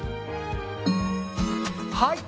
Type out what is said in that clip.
はい。